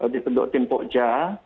dikendok tim pokja